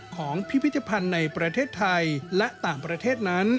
พิพิธภัณฑ์ในประเทศไทยและต่างประเทศนั้น